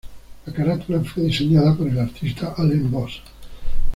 La carátula fue diseñada por el artista Alain Voss.